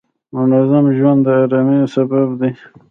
منظم ژوند د آرامۍ سبب دی.